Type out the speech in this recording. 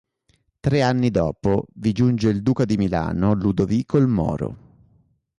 Tre anni dopo vi giunge il Duca di Milano Ludovico il Moro.